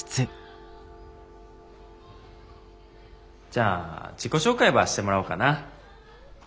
じゃあ自己紹介ばしてもらおうかな。